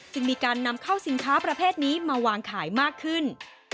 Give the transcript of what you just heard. จึงมีการนำเข้าสินค้าประเภทนี้มาวางขายมากขึ้น